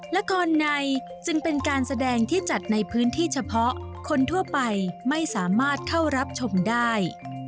ละครในจึงเป็นการแสดงที่จัดในพื้นที่เฉพาะคนทั่วไปไม่สามารถเข้ารับชมได้